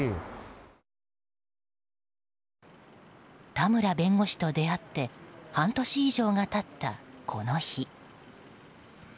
田村弁護士と出会って半年以上が経った、この日。